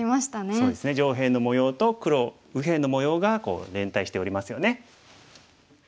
そうですね上辺の模様と黒右辺の模様が連帯しておりますよね。